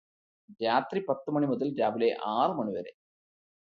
രാത്രി പത്ത് മണി മുതല് രാവിലെ ആറ് മണി വരെ.